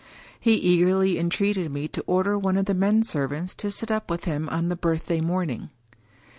He eagerly entreated me to order one of the men servants to sit up with him on the birthday morning.